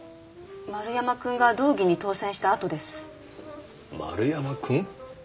丸山くんが道議に当選したあとです丸山くん？